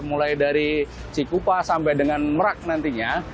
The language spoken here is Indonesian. mulai dari cikupa sampai dengan merak nantinya